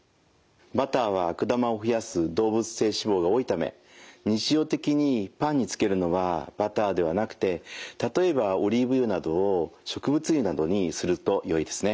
バターは悪玉を増やす動物性脂肪が多いため日常的にパンにつけるのはバターではなくて例えばオリーブ油など植物油にするとよいですね。